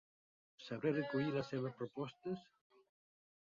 ¿Sabré recollir les seves propostes?